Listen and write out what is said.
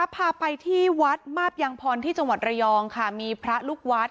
พาไปที่วัดมาบยางพรที่จังหวัดระยองค่ะมีพระลูกวัด